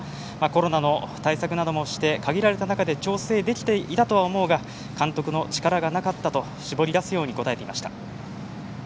コロナの対策などもして限られた中で調整できていたとは思うが監督の力がなかったと絞り出すように答えていました。